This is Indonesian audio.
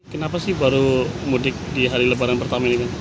kenapa sih baru mudik di hari lebaran pertama ini